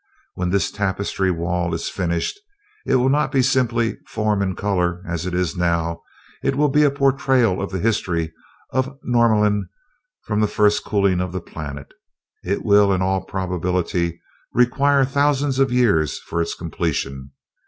When this tapestry wall is finished, it will not be simply form and color, as it is now. It will be a portrayal of the history of Norlamin from the first cooling of the planet. It will, in all probability, require thousands of years for its completion.